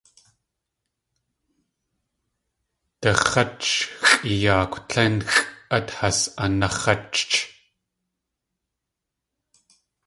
Dax̲áchxʼi yaakw tlénxʼ át has anax̲áchch..